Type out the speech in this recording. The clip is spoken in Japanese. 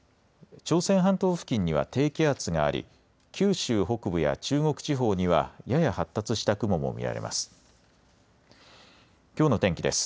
朝鮮半島付近には低気圧があり九州北部や中国地方にはやや発達した雲も見られます。